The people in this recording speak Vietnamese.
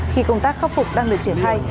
khi công tác khắc phục đang được triển thai